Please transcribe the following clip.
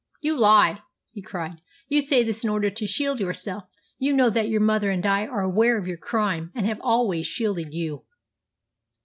"You lie!" he cried. "You say this in order to shield yourself. You know that your mother and I are aware of your crime, and have always shielded you."